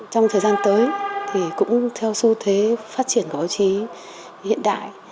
trong thời gian tới thì cũng theo xu thế phát triển của báo chí hiện đại